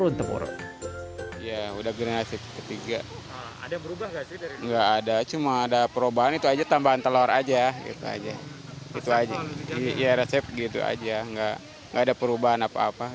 nggak ada perubahan apa apa